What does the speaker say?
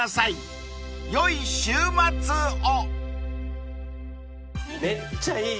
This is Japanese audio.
［よい週末を］